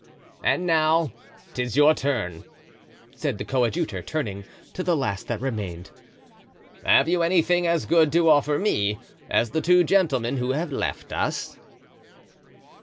"And now 'tis your turn," said the coadjutor, turning to the last that remained; "have you anything as good to offer me as the two gentlemen who have left us?"